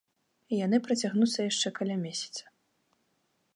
Яны працягнуцца яшчэ каля месяца.